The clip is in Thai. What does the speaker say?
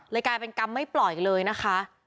เลยกลายเป็นกำไม่ปล่อยเลยนะคะ